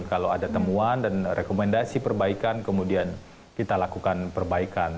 kalau ada temuan dan rekomendasi perbaikan kemudian kita lakukan perbaikan